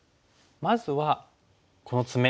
まずはこのツメ。